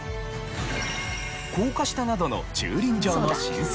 高架下などの駐輪場の新設や。